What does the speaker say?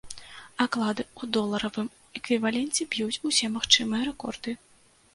Аклады ў доларавым эквіваленце б'юць усе магчымыя рэкорды.